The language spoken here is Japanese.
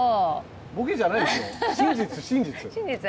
ボケじゃないですよ、真実、真実。